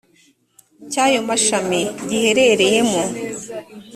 cy ayo mashami giherereyemo